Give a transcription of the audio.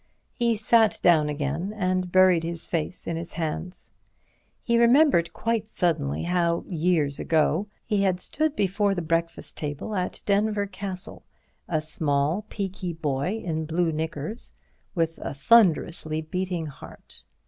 He sat down again and buried his face in his hands. He remembered quite suddenly how, years ago, he had stood before the breakfast table at Denver Castle—a small, peaky boy in blue knickers, with a thunderously beating heart.